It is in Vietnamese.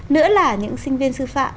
nữa là những sinh viên sư phạm